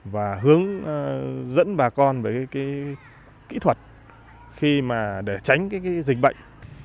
và hướng dẫn bà con về kỹ thuật để tránh dịch bệnh